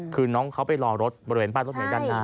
คือน้องเขาไปรอรถบริเวณป้ายรถเมย์ด้านหน้า